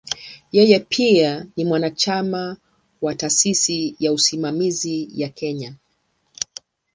Yeye pia ni mwanachama wa "Taasisi ya Usimamizi ya Kenya".